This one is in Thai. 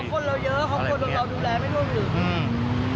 เพราะคนเราเยอะเพราะคนเราดูแลไม่ร่วมอื่น